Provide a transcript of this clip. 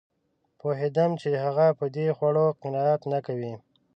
پوهېدم چې هغه په دې خوړو قناعت نه کوي